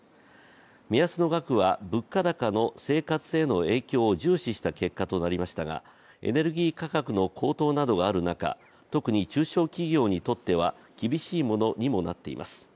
目安の額は物価高の生活への影響を重視した結果となりましたがエネルギー価格の高騰などがある中特に中小企業にとっては厳しいものにもなっています。